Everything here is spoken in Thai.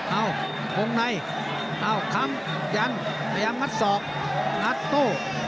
เอ้าพรุ่งในเอ้าคำยังยังมัดสอบนัดโต้